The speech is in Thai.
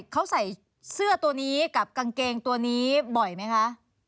เขาใส่เสื้อตัวนี้กับกางเกงตัวนี้บ่อยไหมคะ